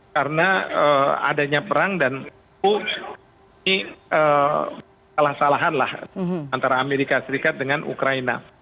karena adanya perang dan itu salah salahanlah antara amerika serikat dengan ukraina